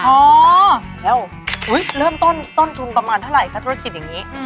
เอ้าเริ่มต้นต้นทุนประมาณเท่าไหร่ถ้าธุรกิจอย่างนี้